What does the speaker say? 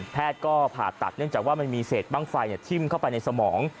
แพทย์ก็ผ่าตัดเนื่องจากว่ามันมีเศษบ้างไฟทิ้มเข้าไปในสมอง